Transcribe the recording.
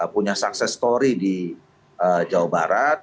punya sukses story di jawa barat